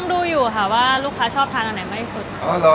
ดูอยู่ฮะว่าลูกค้าชอบทานหน่อยไม่อีกสุด